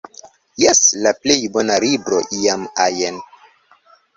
Jes, la plej bona libro iam ajn